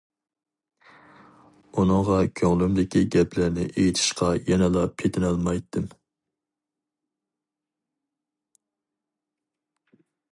ئۇنىڭغا كۆڭلۈمدىكى گەپلەرنى ئېيتىشقا يەنىلا پېتىنالمايتتىم.